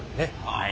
はい。